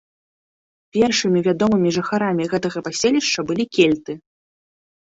Першымі вядомымі жыхарамі гэтага паселішча былі кельты.